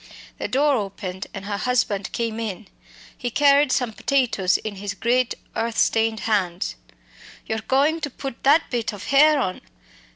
The door opened and her husband came in. He carried some potatoes in his great earth stained hands. "You're goin' to put that bit of hare on?